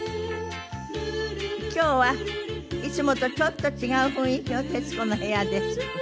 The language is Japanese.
今日はいつもとちょっと違う雰囲気の『徹子の部屋』です。